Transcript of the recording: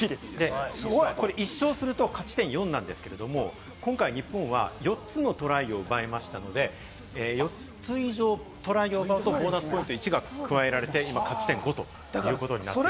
これ１勝すると勝ち点４なんですけれど、今回、日本は４つのトライを奪いましたので、４つ以上、トライを決めるとボーナスポイント１が加えられて、今、勝ち点５ということになっています。